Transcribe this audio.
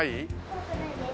怖くないです。